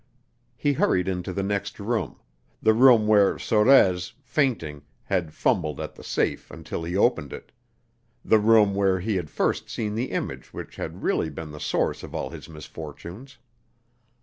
He hurried into the next room the room where Sorez, fainting, had fumbled at the safe until he opened it the room where he had first seen the image which had really been the source of all his misfortunes.